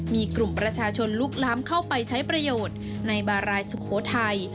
มีกลุ่มประชาชนลุกล้ำเข้าไปใช้ประโยชน์ในบารายสุโขทัย